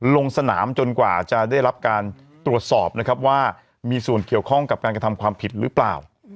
ลงสนามจนกว่าจะได้รับการตรวจสอบนะครับว่ามีส่วนเกี่ยวข้องกับการกระทำความผิดหรือเปล่า